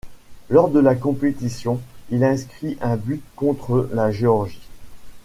Lors de la compétition, il inscrit un but contre la Géorgie.